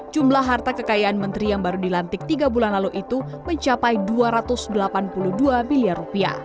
jumlah harta kekayaan menteri yang baru dilantik tiga bulan lalu itu mencapai rp dua ratus delapan puluh dua miliar